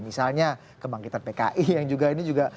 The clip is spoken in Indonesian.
misalnya kebangkitan pki yang juga ini juga